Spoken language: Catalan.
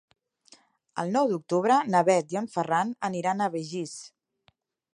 El nou d'octubre na Bet i en Ferran aniran a Begís.